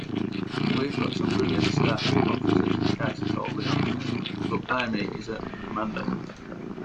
"We've got some brilliant staff officers," Casey told Lyons, "but Blamey is a commander.